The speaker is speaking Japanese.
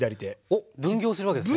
おっ！分業するわけですね。